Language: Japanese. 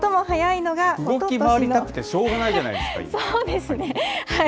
動き回りたくてしょうがないそうですね。